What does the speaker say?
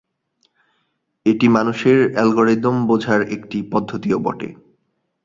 এটি মানুষের অ্যালগরিদম বোঝার একটি পদ্ধতিও বটে।